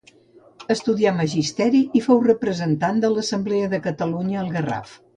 Estudià magisteri i fou representant de l'Assemblea de Catalunya al Garraf.